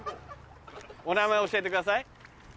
お名前教えてください。